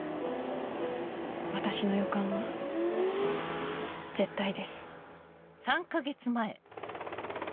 私の予感は絶対です